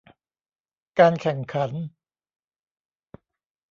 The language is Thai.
การแข่งขัน